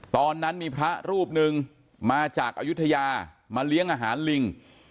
ตอนนั้นมีพระรูปหนึ่งมาจากอายุทยามาเลี้ยงอาหารลิง